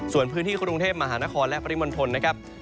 ส่วนพื้นที่กรุงเทพมหานครและปริมณฑลนะครับ